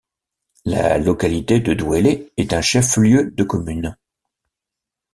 La localité de Douélé est un chef-lieu de commune.